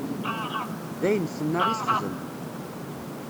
D ayen tenna i texdem.